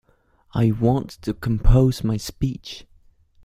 I want to compose my speech.